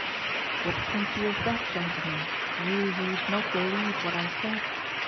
1 "What think you of that, gentlemen, you who would not believe what I said ?